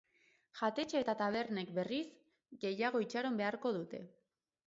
Jatetxe eta tabernek, berriz, gehiago itxaron beharko dute.